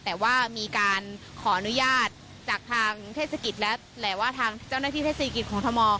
แต่ว่ามีการขออนุญาตจากทางเทศกิจแล้วแหละว่าทางเจ้าหน้าที่เทศกิจของทม